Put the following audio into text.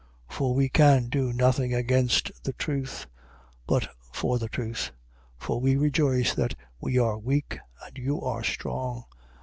For we can do nothing against the truth: but for the truth. 13:9. For we rejoice that we are weak and you are strong.